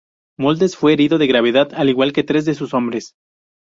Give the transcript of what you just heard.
Moldes fue herido de gravedad, al igual que tres de sus hombres.